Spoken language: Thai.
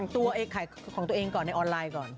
ตัวของตัวเองก่อนในออนไลน์ก่อน